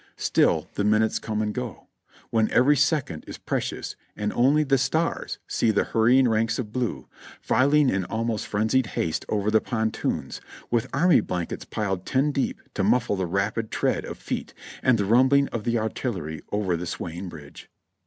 Still the minutes come and go, when every second is precious and only the stars see the hurrying ranks of blue, filing in almost frenzied haste over the pontoons, with army blankets piled ten deep to muflle the rapid tread of feet and the rumbling of the artillery over the swaying bridge.